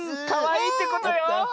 かわいいってことよ！